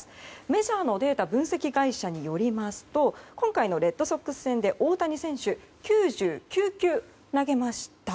メジャーのデータ分析会社によりますと今回のレッドソックス戦で大谷選手は９９球投げました。